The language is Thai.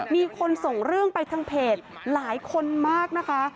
มีคนส่งเรื่องไปทางเพจหลายคนมากนะคะ